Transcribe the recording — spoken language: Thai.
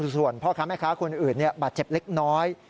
ส่วนพ่อค้าแม่ค้าคนอื่นบาดเจ็บเล็กน้อย